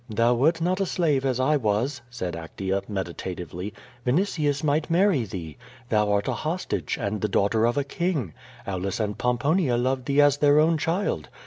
"Thou wert not a slave, as I was," said Actea, meditatively. "Vinitius might marry thee. Thou art a hostage, and the daughter of a king. Aulus and Pomponia love thee as their own child.